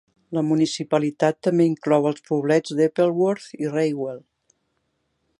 La municipalitat també inclou els poblets d'Eppleworth i Raywell.